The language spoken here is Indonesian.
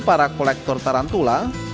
para kolektor tarantula